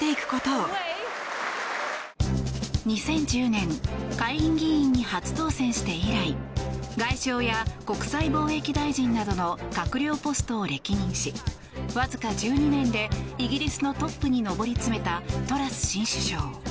２０１０年下院議員に初当選して以来外相や国際貿易大臣などの閣僚ポストを歴任しわずか１２年でイギリスのトップに上り詰めたトラス新首相。